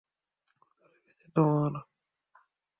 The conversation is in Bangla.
ক্ষুধা লেগেছে তোমার?